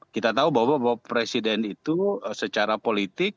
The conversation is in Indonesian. kita tahu bahwa presiden itu secara politik